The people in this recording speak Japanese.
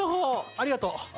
ありがとう。